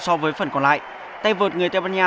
so với phần còn lại tay vợt người tây ban nha